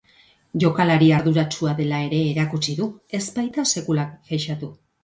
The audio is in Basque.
Jokalari arduratsua dela ere erakutsi du, ez baita sekula kexatu.